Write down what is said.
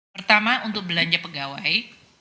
pertama untuk belanja pegawai